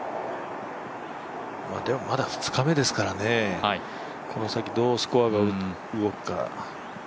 でも、まだ２日目ですからね、この先、どうスコアが動くか。